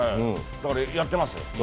だから、やってますよ。